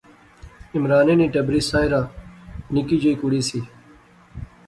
عمرانے نی ٹبری ساحرہ نکی جئی کڑی سی